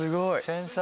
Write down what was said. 繊細！